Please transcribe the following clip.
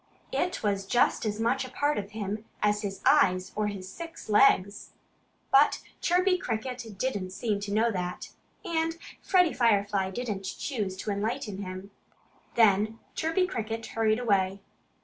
It was just as much a part of him as his eyes or his six legs. But Chirpy Cricket didn't seem to know that. And Freddie Firefly didn't choose to enlighten him. Then Chirpy Cricket hurried away.